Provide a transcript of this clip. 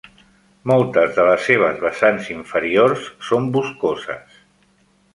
Moltes de les seves vessants inferiors són boscoses.